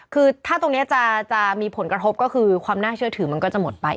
คือถ้าตรงนี้จะมีผลกระทบก็คือความน่าเชื่อถือมันก็จะหมดไป